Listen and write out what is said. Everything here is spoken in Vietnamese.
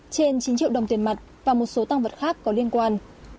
trên chín triệu đồng tiền mặt và một số tăng vật khác có liên quan